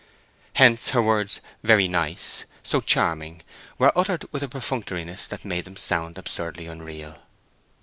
Hence her words "very nice," "so charming," were uttered with a perfunctoriness that made them sound absurdly unreal.